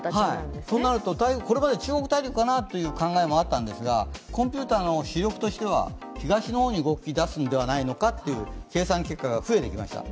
これまで中国大陸かなという考えもあったんですが、コンピューターの主力としては東の方に動きだすのではないかという、計算結果が増えてきました。